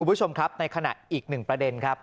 คุณผู้ชมครับในขณะอีกหนึ่งประเด็นครับ